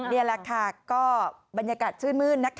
นี่แหละค่ะก็บรรยากาศชื่นมืนนืดนะคะ